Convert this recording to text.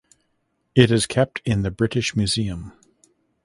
It is kept in the British Museum.